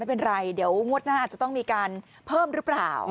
ไม่เป็นไรเดี๋ยวงวดหน้าอาจจะต้องมีการเพิ่มหรือเปล่า